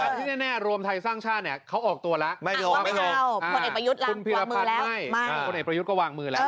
ทีแน่รวมไทยสร้างชาติเขาออกตัวแล้ว